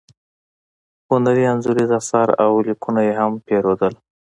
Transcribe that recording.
هنري انځوریز اثار او لیکونه یې هم پیرودل.